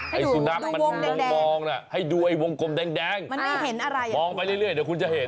ให้สุนัขมองให้ดูวงกลมแดงมองไปเรื่อยเดี๋ยวคุณจะเห็น